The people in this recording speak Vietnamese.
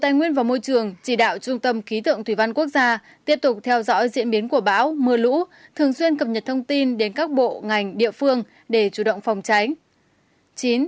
tài nguyên và môi trường chỉ đạo trung tâm khí tượng thủy văn quốc gia tiếp tục theo dõi diễn biến của bão mưa lũ thường xuyên cập nhật thông tin đến các bộ ngành địa phương để chủ động phòng tránh